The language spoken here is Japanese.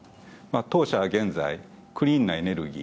当社は現在クリーンなエネルギー。